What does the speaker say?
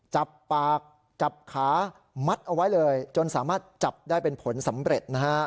จับปากจับขามัดเอาไว้เลยจนสามารถจับได้เป็นผลสำเร็จนะฮะ